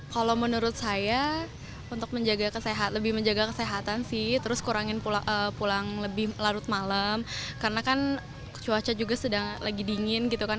kalau menurut saya untuk menjaga kesehatan lebih menjaga kesehatan sih terus kurangin pulang lebih larut malam karena kan cuaca juga sedang lagi dingin gitu kan